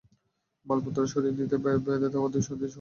মালপত্র সরিয়ে নিতে বেঁধে দেওয়া দুই দিন সময় গতকাল বুধবার শেষ হয়েছে।